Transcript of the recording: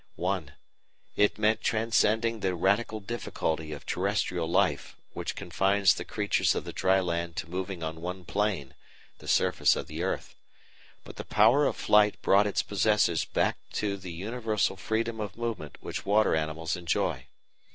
(1) It meant transcending the radical difficulty of terrestrial life which confines the creatures of the dry land to moving on one plane, the surface of the earth. But the power of flight brought its possessors back to the universal freedom of movement which water animals enjoy.